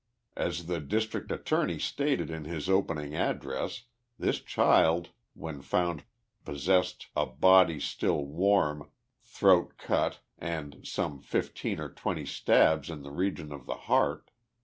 As the Dis trict Attorne}* stated in his opening address, this child when found possessed 4 a body still warm, throat cut, and some fifteen or twenty stabs in the region of the heart.